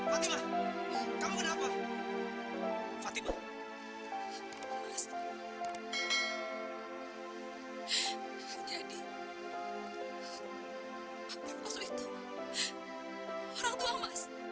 orang tua mas